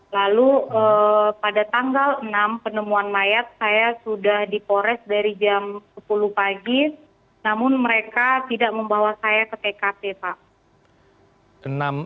lalu pada tanggal enam penemuan mayat saya sudah di pores dari jam sepuluh pagi namun mereka tidak membawa saya ke tkp pak